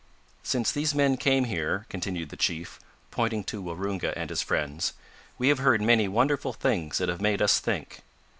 "Since these men came here," continued the chief, pointing to Waroonga and his friends, "we have heard many wonderful things that have made us think.